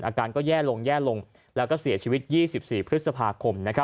อาการก็แย่ลงแย่ลงแล้วก็เสียชีวิต๒๔พฤษภาคม